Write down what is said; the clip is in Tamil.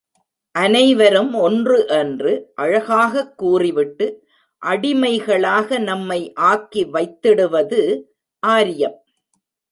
அனைவரும் ஒன்று என்று அழகாகக் கூறிவிட்டு, அடிமைகளாக நம்மை ஆக்கி வைத்திடுவது ஆரியம்.